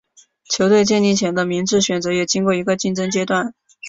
球队建立前的名字选择也经过一个竞争阶段。